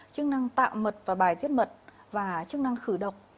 chức năng tạo mật và bài thiết mật và chức năng khử độc